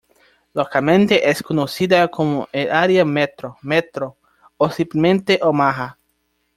Localmente es conocida como "el Área Metro", "Metro", o simplemente "Omaha".